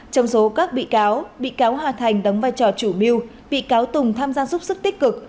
trong số các bị cáo bị cáo hà thành đóng vai trò chủ mưu bị cáo tùng tham gia giúp sức tích cực